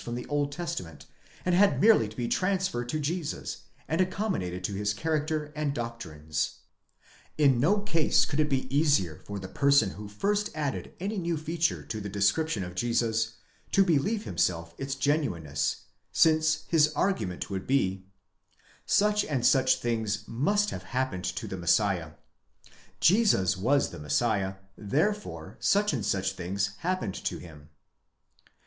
from the Old Testament, and had merely to be transferred to Jesus,!* and accommodated to his character and doctrines. In no case could it be easier for the person who first added any new feature to the description of Jesus, to believe himself its genuineness, since his argument would be: Such and such things must have happened to the Messiah; Jesus was the Messiah; therefore such and such things happened to him.!